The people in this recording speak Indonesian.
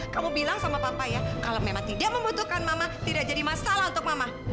kamu bilang sama papa ya kalau memang tidak membutuhkan mama tidak jadi masalah untuk mama